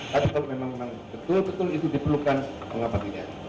tapi kalau memang memang betul betul itu diperlukan pengamatinya